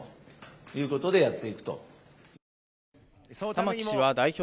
玉木氏は代表